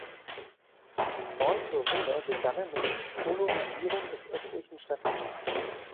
Die neuen Bewohner begannen mit der "Polonisierung" des östlichen Stadtgebiets.